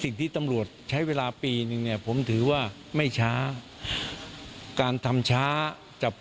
สิ่งที่ตำรวจใช้เวลาปีนึงเนี่ยผมถือว่าไม่ช้า